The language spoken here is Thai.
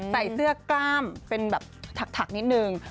ใส่เสื้อกล้ามเป็นแบบถักนิดนึง